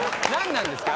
なんですか？